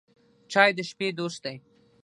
چای د شپې دوست دی.